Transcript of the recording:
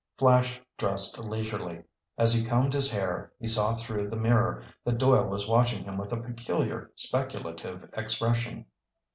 Flash dressed leisurely. As he combed his hair, he saw through the mirror that Doyle was watching him with a peculiar, speculative expression.